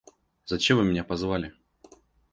— Зачем вы меня позвали?